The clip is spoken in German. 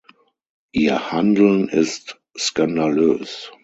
Ihr Handeln ist skandalös.